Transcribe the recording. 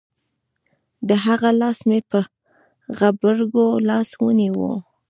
د هغه لاس مې په غبرگو لاسو ونيو.